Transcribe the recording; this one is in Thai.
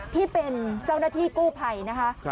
ที่เป็นเจ้าหน้าที่กู้ภัยนะคะ